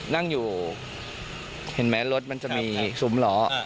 นั่งอยู่เห็นไหมรถมันจะมีซุ้มล้อ